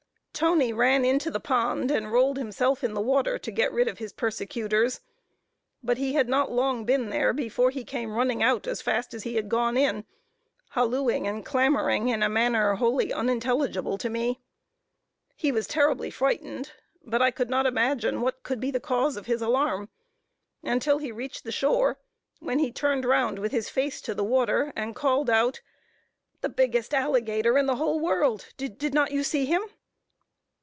Toney ran into the pond, and rolled himself in the water to get rid of his persecutors; but he had not been long there before he came running out, as fast as he had gone in, hallooing and clamoring in a manner wholly unintelligible to me. He was terribly frightened; but I could not imagine what could be the cause of his alarm, until he reached the shore, when he turned round with his face to the water, and called out "the biggest alligator in the whole world did not you see him?"